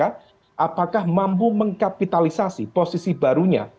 apakah mampu mengkapitalisasi posisi barunya